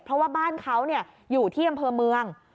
เพราะว่าบ้านเขาอยู่ที่อำเภอเมือง